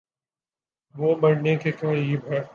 وہ مرنے کے قریب ہے